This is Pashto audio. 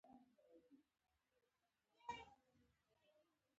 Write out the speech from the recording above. پېوه د مزینې کلي په خوله کې پرته ده یو ځای.